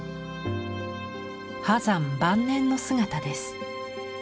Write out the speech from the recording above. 波山晩年の姿です。